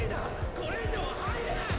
これ以上は入れない！